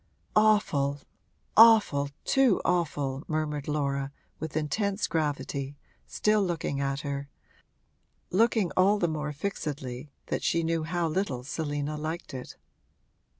'Awful, awful, too awful,' murmured Laura, with intense gravity, still looking at her looking all the more fixedly that she knew how little Selina liked it.